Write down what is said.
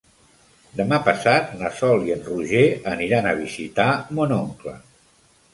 Demà passat na Sol i en Roger aniran a visitar mon oncle.